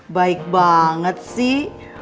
baik banget sih